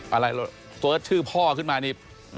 อะไรเสิร์ชชื่อพ่อขึ้นมานี่